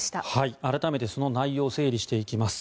改めてその内容を整理していきます。